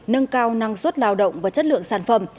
nâng cao năng suất lao động và chất lượng sản phẩm